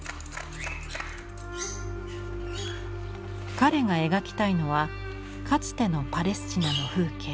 彼が描きたいのはかつてのパレスチナの風景。